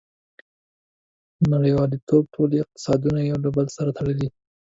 • نړیوالتوب ټول اقتصادونه یو له بل سره تړلي.